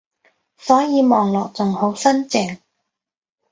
所以望落仲好新淨